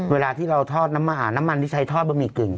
เวลาที่เราทอดน้ำอาหารน้ำมันที่ใช้ทอดบะหมี่กึ่ง